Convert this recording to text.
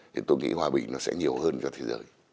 thì tôi nghĩ hòa bình nó sẽ nhiều hơn cho thế giới